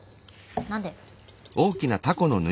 何で？